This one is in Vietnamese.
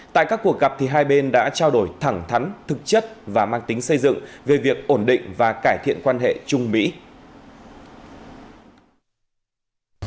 tại các cuộc gặp hai bên đã trao đổi thẳng thắn thực chất và mang tính xây dựng về việc ổn định và cải thiện quan hệ chung mỹ